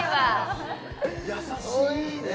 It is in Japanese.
優しいね